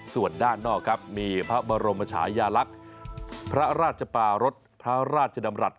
ส่วนด้านนอกครับมีพระบรมชายาลักษณ์พระราชปารสพระราชดำรัฐ